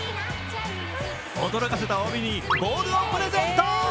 驚かせたおわびにボールをプレゼント。